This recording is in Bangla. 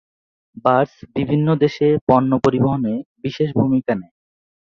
বার্জ বিভিন্ন দেশে পণ্য পরিবহনে বিশেষ ভূমিকা নেয়।